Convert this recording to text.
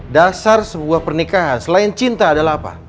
dasar sebuah pernikahan selain cinta adalah apa